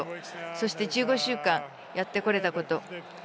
そして、１５週間やってこれたこと。